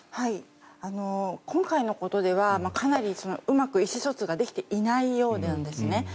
今回のことではかなりうまく意思疎通ができていないようなんですね。